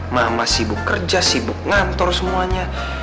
mama sibuk kerja sibuk ngantor semuanya